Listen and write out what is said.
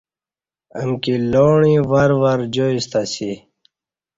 امکی لوݨے ور ور جائی ستہ اسی